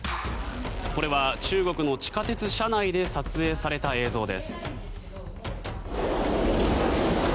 これは中国の地下鉄車内で撮影された映像です。